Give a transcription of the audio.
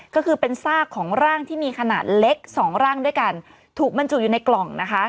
ก็คือเป็นซากของร่างที่มีขนาดเล็กสองร่างด้วยกันถูกบรรจุอยู่ในกล่องนะคะ